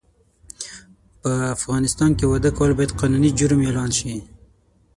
په افغانستان کې واده کول باید قانوني جرم اعلان سي